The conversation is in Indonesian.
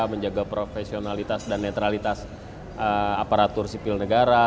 menjaga profesionalitas dan netralitas aparatur sipil negara